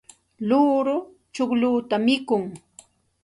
luuru chuqlluta mikun.